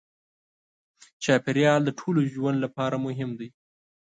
چاپېریال د ټولو ژوند لپاره مهم دی.